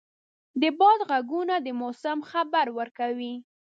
د باد ږغونه د موسم خبر ورکوي.